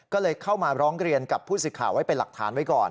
ก็เลยเข้ามาร้องเรียนกับผู้สื่อข่าวไว้เป็นหลักฐานไว้ก่อน